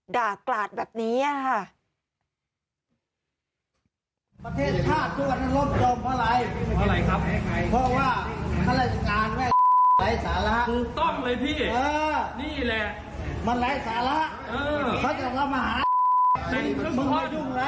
ด่ากลาดแบบนี้อะฮะ